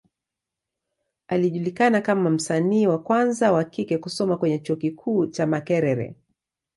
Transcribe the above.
Alijulikana kama msanii wa kwanza wa kike kusoma kwenye Chuo kikuu cha Makerere.